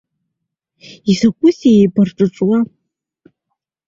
Изакәызеи еибарҿыҿуа?